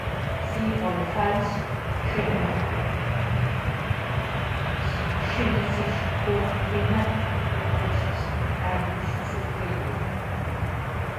Sie àllefàlls schiine sich do hìnne rächt heimisch ze fìehle.